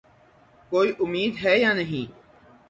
کوئی امید ہے یا نہیں ؟